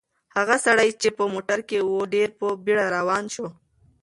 هغه سړی چې په موټر کې و ډېر په بیړه روان شو.